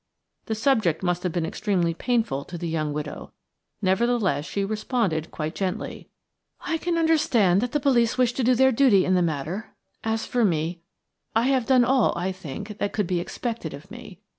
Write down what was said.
The subject must have been extremely painful to the young widow; nevertheless she responded quite gently: "I can understand that the police wish to do their duty in the matter; as for me, I have done all, I think, that could be expected of me.